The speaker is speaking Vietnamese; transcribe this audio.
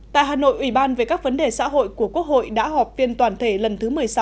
tại hà nội ủy ban về các vấn đề xã hội của quốc hội đã họp phiên toàn thể lần thứ một mươi sáu